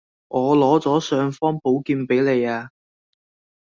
我攞咗尚方寶劍畀你呀